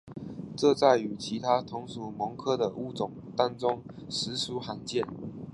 这在其他同属蠓科的物种当中实属罕见。